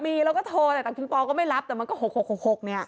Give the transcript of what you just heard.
มีแล้วก็โทรแต่คิงปอลก็ไม่รับแต่มันก็๖๖๖เนี่ย